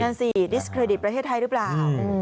นั่นสิดิสเครดิตประเทศไทยหรือเปล่า